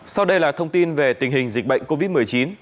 sau đây là thông tin về tình hình dịch bệnh covid một mươi chín